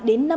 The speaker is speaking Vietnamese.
đến hôm nay